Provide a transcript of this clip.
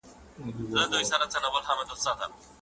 که ښارونه جوړ سي عصبیت کمیږي.